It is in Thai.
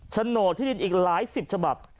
โฉนดที่ดินอีกหลายสิบฉบับ